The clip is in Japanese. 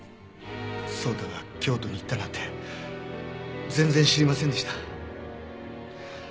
草太が京都に行ったなんて全然知りませんでした。